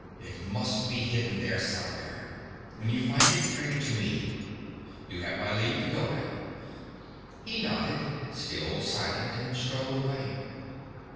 It must be hidden there somewhere. When you find it, bring it to me. You have my leave to go now.' He nodded, still silent, and strode away.